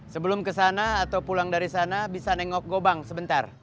sebelum kesana atau pulang dari sana bisa nengok gobang sebentar